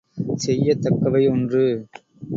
செய்யத் தக்கவை ஒன்று.